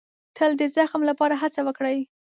تل د زغم لپاره هڅه وکړئ.